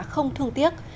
không thương tiếc